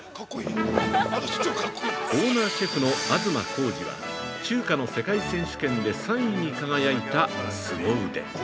オーナーシェフの東浩司は中華の世界選手権で３位に輝いたすご腕。